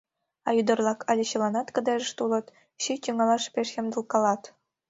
А ӱдыр-влак але чыланат кыдежыште улыт, сий тӱҥалаш пеш ямдылкалат.